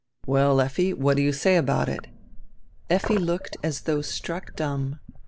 "Well, Effi, what do you say about it?" Effi looked as diough struck dumb.